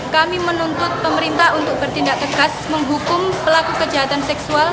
kami menuntut pemerintah untuk bertindak tegas menghukum pelaku kejahatan seksual